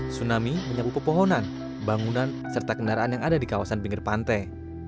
tsunami menyapu pepohonan bangunan serta kendaraan yang ada di kawasan pinggir pantai